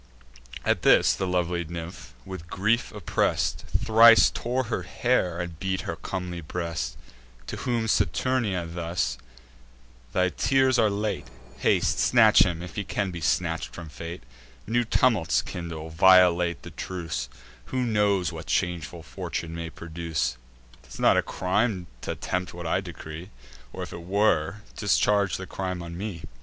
At this the lovely nymph, with grief oppress'd, Thrice tore her hair, and beat her comely breast. To whom Saturnia thus: "Thy tears are late: Haste, snatch him, if he can be snatch'd from fate: New tumults kindle; violate the truce: Who knows what changeful fortune may produce? 'Tis not a crime t' attempt what I decree; Or, if it were, discharge the crime on me."